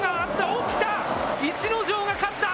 起きた。